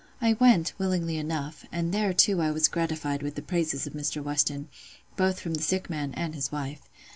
I went, willingly enough; and there too I was gratified with the praises of Mr. Weston, both from the sick man and his wife.